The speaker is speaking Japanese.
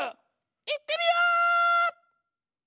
いってみよう！